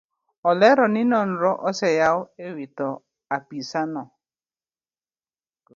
Olero ni nonro oseyaw ewi tho apisano.